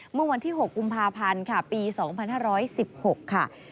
เมื่อวันที่๖กุมภาพันธ์ค่ะปี๒๕๑๖ค่ะ